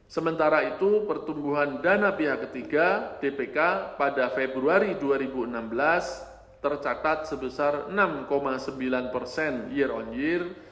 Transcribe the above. sementara itu pertumbuhan dana pihak ketiga dpk pada februari dua ribu enam belas tercatat sebesar enam sembilan persen year on year